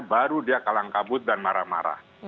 baru dia kalang kabut dan marah marah